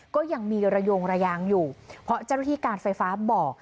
ก็ยังมีระยงระยางอยู่เพราะเจ้าหน้าที่การไฟฟ้าบอก